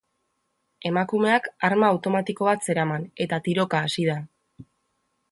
Emakumeak arma automatiko bat zeraman eta tiroka hasi da.